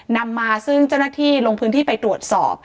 นำมาซึ่งเจ้าหน้าที่ลงพื้นที่ไปตรวจสอบ